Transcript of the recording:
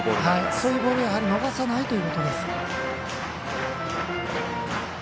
そういうボールを逃さないということです。